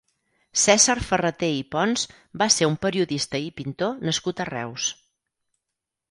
Cèsar Ferrater i Pons va ser un periodista i pintor nascut a Reus.